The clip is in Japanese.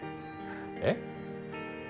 えっ？